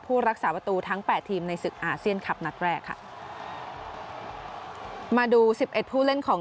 รักษาประตูทั้งแปดทีมในศึกอาเซียนคลับนัดแรกค่ะมาดูสิบเอ็ดผู้เล่นของ